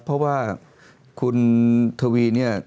เพราะว่าคุณทวีเนี่ย